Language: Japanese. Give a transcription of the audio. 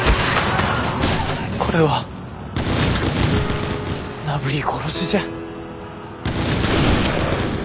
これはなぶり殺しじゃ。